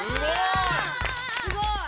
すごい！